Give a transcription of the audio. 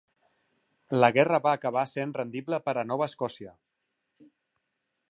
La guerra va acabar sent rendible per a Nova Escòcia.